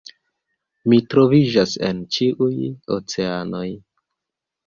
"Mi troviĝas en ĉiuj oceanoj!"